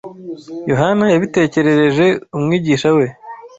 Yohana yabitekerereje Umwigisha we